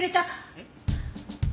えっ？